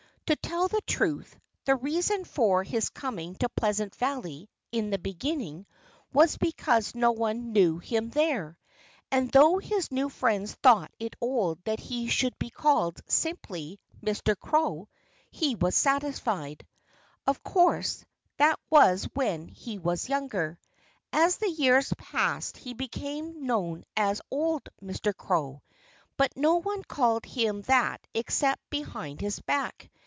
To tell the truth, the reason for his coming to Pleasant Valley, in the beginning, was because no one knew him there. And though his new friends thought it odd that he should be called simply "Mr. Crow," he was satisfied. Of course, that was when he was younger. As the years passed he became known as "old Mr. Crow." But no one called him that except behind his back.